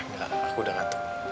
mila aku udah ngantuk